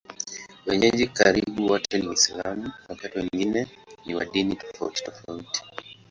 Wenyeji karibu wote ni Waislamu, wakati wageni ni wa dini tofautitofauti.